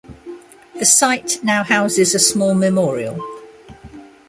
The site now houses a small memorial.